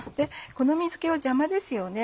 この水気は邪魔ですよね。